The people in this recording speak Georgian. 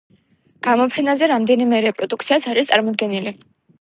გამოფენაზე რამდენიმე რეპროდუქციაც არის წარმოდგენილი.